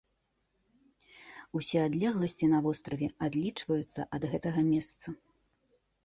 Усе адлегласці на востраве адлічваюцца ад гэтага месца.